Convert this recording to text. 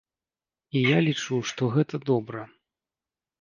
І я лічу, што гэта добра.